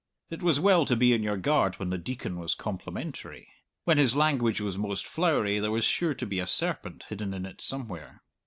It was well to be on your guard when the Deacon was complimentary. When his language was most flowery there was sure to be a serpent hidden in it somewhere.